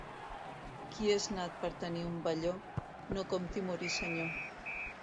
Qui és nat per tenir un velló, no compti morir senyor.